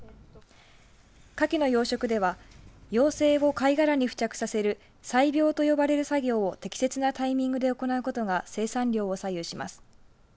かきの養殖では幼生を貝殻に付着させる採苗と呼ばれる作業を適切なタイミングで行うことが生産量を左右します。